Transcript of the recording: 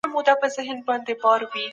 فردي ازادي د انسانانو طبیعي غوښتنه ده.